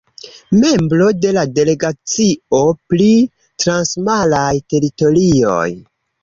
Membro de la delegacio pri transmaraj teritorioj.